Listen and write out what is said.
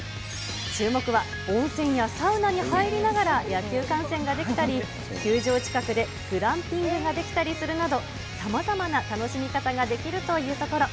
注目は、温泉やサウナに入りながら、野球観戦ができたり、球場近くでグランピングができたりするなど、さまざまな楽しみ方ができるというところ。